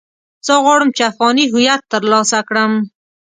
زه غواړم چې افغاني هويت ترلاسه کړم.